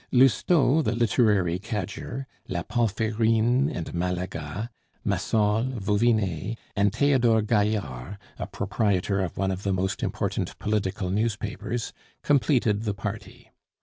Lousteau, the literary cadger, la Palferine and Malaga, Massol, Vauvinet, and Theodore Gaillard, a proprietor of one of the most important political newspapers, completed the party.